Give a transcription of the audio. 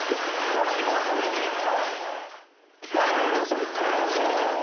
◆何言ってんだか分かんないんだけど。